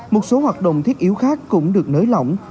một số hoạt động thiết yếu khác cũng được nới lỏng